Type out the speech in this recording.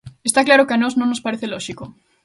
Está claro que a nós non nos parece lóxico.